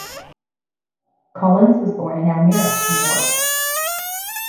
Collins was born in Elmira, New York.